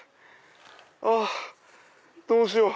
あっどうしよう！